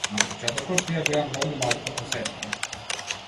На почетокот тие беа многу малку посетени.